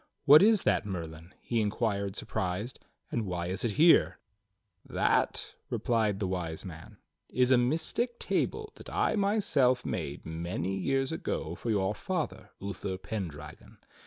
"What is that. Merlin.^" he inquired surprised, "and why is it here.f^" "That," replied the Wise Man, "is a mystic table that I myself made many years ago for your father, Uther Pendragon.